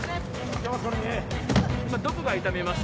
今どこが痛みます？